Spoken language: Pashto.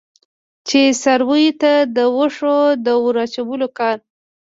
چې څارویو ته د وښو د ور اچولو کار.